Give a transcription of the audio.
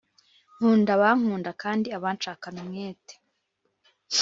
Nkunda abankunda Kandi abanshakana umwete